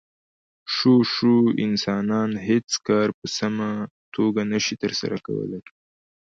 شو شو انسانان هېڅ کار په سمه توګه نشي ترسره کولی.